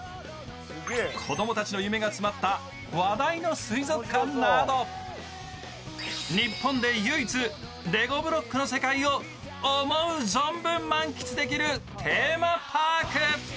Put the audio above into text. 子供たちの夢が詰まった話題の水族館など、日本で唯一、レ五ブロックの世界を思う存分満喫できるテーマパーク。